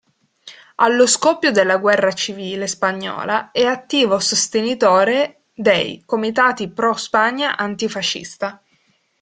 Allo scoppio della Guerra civile spagnola è attivo sostenitore dei “Comitati Pro Spagna Antifascista”.